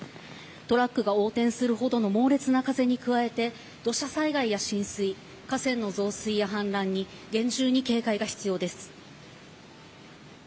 トラックが横転するほどの猛烈な風に加えて土砂災害や浸水河川の増水やはん濫に厳重に警戒が必要です。